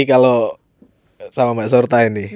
kalau sama mbak surtain